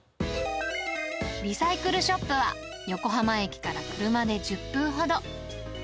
リサイクルショップは、横浜駅から車で１０分ほど。